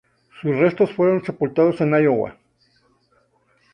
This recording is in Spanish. Sus restos fueron sepultados en Iowa.